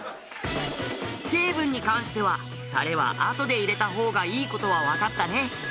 成分に関してはタレはあとで入れた方がいい事はわかったね。